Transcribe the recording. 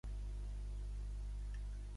Vaig al carrer de la Florida.